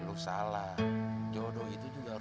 lu salah jodoh itu juga harus